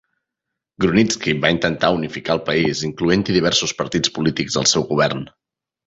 Grunitzky va intentar unificar el país incloent-hi diversos partits polítics al seu govern.